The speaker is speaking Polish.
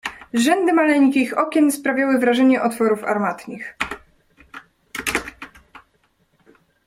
"Rzędy maleńkich okien sprawiały wrażenie otworów armatnich."